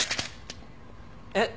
えっ？